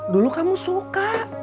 dulu kamu suka